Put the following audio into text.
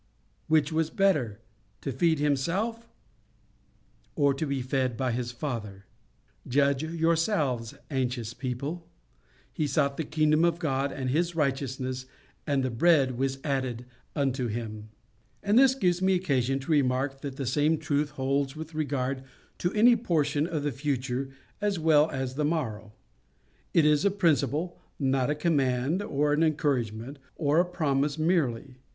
—Which was better? To feed Himself, or be fed by His Father? Judge yourselves, anxious people, He sought the kingdom of God and His righteousness, and the bread was added unto Him. "And this gives me occasion to remark that the same truth holds with regard to any portion of the future as well as the morrow. It is a principle, not a command, or an encouragement, or a promise merely.